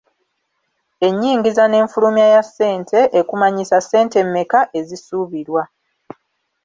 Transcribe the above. Ennyingiza n’enfulumya ya ssente, ekumanyisa ssente mmeka ezisuubirwa.